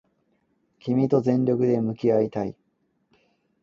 君と全力で向き合いたい